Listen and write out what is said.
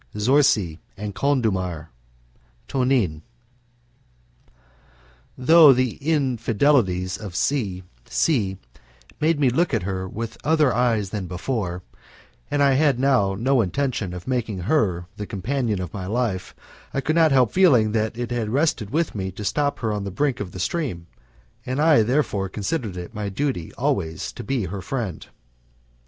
Zorzi and Condulmer Tonnie Though the infidelities of C C made me look at her with other eyes than before, and I had now no intention of making her the companion of my life, I could not help feeling that it had rested with me to stop her on the brink of the stream, and I therefore considered it my duty always to be her friend.